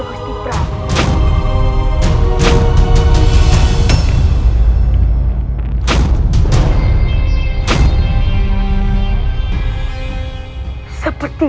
apakah mereka muat betul